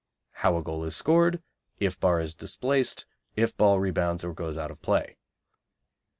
How a Goal is Scored. If Bar is Displaced. If Ball Rebounds or Goes Out of Play.